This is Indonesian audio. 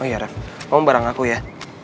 oh iya ref kamu bareng aku ya